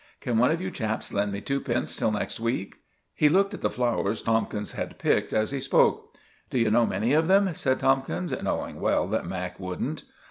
Can one of you chaps lend me twopence till next week?" He looked at the flowers Tomkins had picked as he spoke. "D'you know many of them?" said Tomkins, knowing well that Mac. wouldn't.